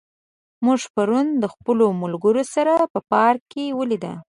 موږ پرون د خپلو ملګرو سره په پارک کې ولیدل.